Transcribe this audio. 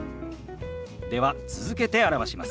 では続けて表します。